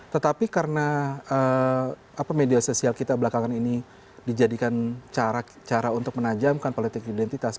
tetapi karena media sosial kita belakangan ini dijadikan cara untuk menajamkan politik identitas